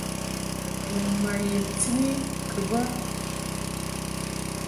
Mun ma yemti ni kɨ bə.